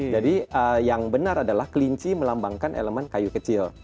jadi yang benar adalah kelinci melambangkan elemen kayu kecil